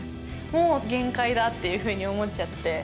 もう限界だっていうふうに思っちゃって。